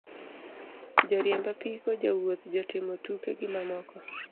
Joriembo apiko, jowuoth, jotimo tuke, gi mamoko.